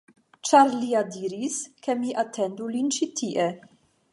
Ĉar li ja diris, ke mi atendu lin ĉi tie.